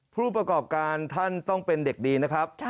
ผู้ประกอบการท่านต้องเป็นเด็กดีนะครับ